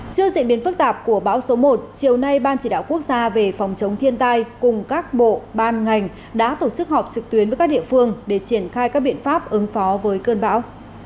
trước diễn biến phức tạp của bão số một chiều nay ban chỉ đạo quốc gia về phòng chống thiên tai cùng các bộ ban ngành đã tổ chức họp trực tuyến với các địa phương để triển khai các biện pháp ứng phó với cơn bão